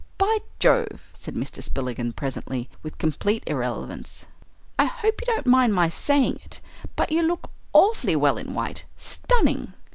"By Jove!" said Mr. Spillikins presently, with complete irrelevance, "I hope you don't mind my saying it, but you look awfully well in white stunning."